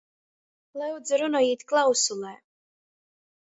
Lyudzu, runojit klausulē!